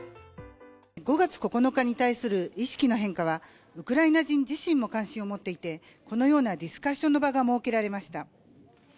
５月９日に対する意識の変化はウクライナ人自身も関心を持っていてこのようなディスカッションの場が設けられました。